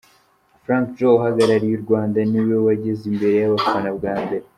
Frank Joe uhagarariye u Rwanda ni we wageze imbere y’abafana bwa mbere.